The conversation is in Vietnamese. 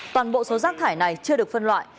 toàn bộ số rác thải này chưa được phân loại